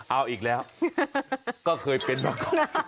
เอาอีกแล้วก็เคยเป็นมาก่อน